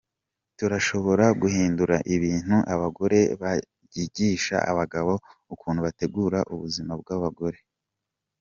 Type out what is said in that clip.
Turashobora guhindura ibintu abagore bakigisha abagabo ukuntu botegera ubuzima bw'abagore.